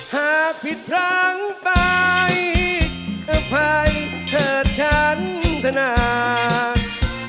หากผิดพลังไปอภัยเธอชั้นทนัก